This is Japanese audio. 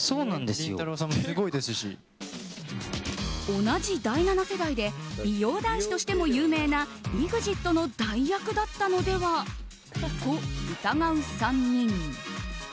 同じ第７世代で美容男子としても有名なＥＸＩＴの代役だったのではと疑う３人。